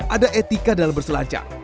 ada etika dalam berselancar